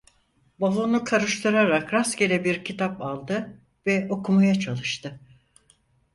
Bavulunu karıştırarak rastgele bir kitap aldı ve okumaya çalıştı.